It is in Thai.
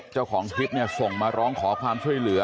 เจ้าของคลิปเนี่ยส่งมาร้องขอความช่วยเหลือ